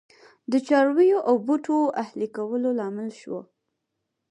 د څارویو او بوټو اهلي کولو لامل شو